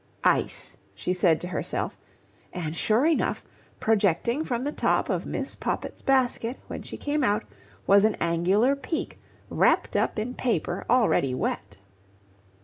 "Ice", she said to herself, and, sure enough, projecting from the top of Miss Poppit's basket when she came out was an angular peak, wrapped up in paper already wet.